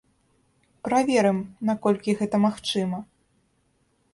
Праверым, наколькі гэта магчыма.